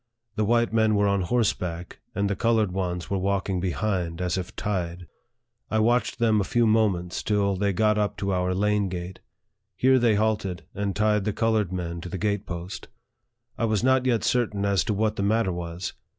The white men were on horseback, and the colored ones were walking behind, as if tied. I watched them a few moments till they got up to our lane gate. Here they halted, and tied the colored men to the gate post. I was not yet certain as to what the matter was.